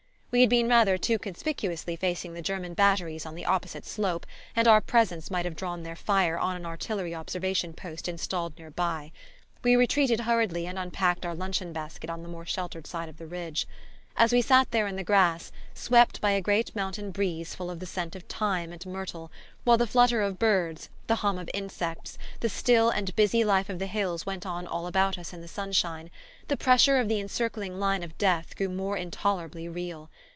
We had been rather too conspicuously facing the German batteries on the opposite slope, and our presence might have drawn their fire on an artillery observation post installed near by. We retreated hurriedly and unpacked our luncheon basket on the more sheltered side of the ridge. As we sat there in the grass, swept by a great mountain breeze full of the scent of thyme and myrtle, while the flutter of birds, the hum of insects, the still and busy life of the hills went on all about us in the sunshine, the pressure of the encircling line of death grew more intolerably real.